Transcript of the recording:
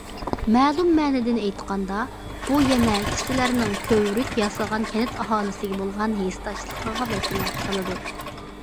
مەلۇم مەنىدىن ئېيتقاندا، بۇ يەنە كىشىلەرنىڭ كۆۋرۈك ياسىغان كەنت ئاھالىسىگە بولغان ھېسداشلىقىغا ۋەكىللىك قىلىدۇ.